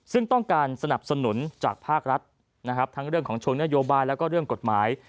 ซึ่งต้องการสนับสนุนจากภาครัฐนะครับทั้งเรื่องของชงนโยบายแล้วก็เรื่องกฎหมาย